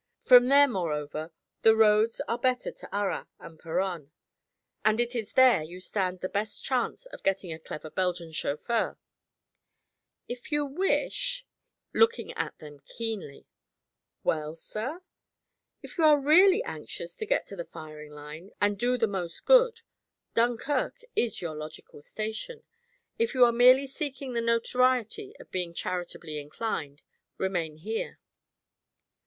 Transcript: From there, moreover, the roads are better to Arras and Peronne, and it is there you stand the best chance of getting a clever Belgian chauffeur. If you wish " he hesitated, looking at them keenly. "Well, sir?" "If you are really anxious to get to the firing line and do the most good, Dunkirk is your logical station. If you are merely seeking the notoriety of being charitably inclined, remain here."